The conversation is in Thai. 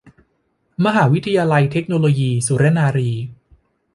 มหาวิทยาลัยเทคโนโลยีสุรนารี